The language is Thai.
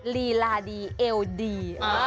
ลีลาดีเอวดี